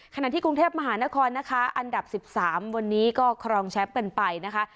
ขณะที่กรุงเทพมหานครนะคะอันดับ๑๓วันนี้ก็ครองแชมป์กันไปนะคะ